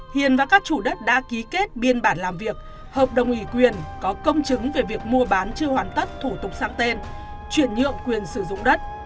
hiền và các chủ đất đã ký kết biên bản làm việc hợp đồng ủy quyền có công chứng về việc mua bán chưa hoàn tất thủ tục sang tên chuyển nhượng quyền sử dụng đất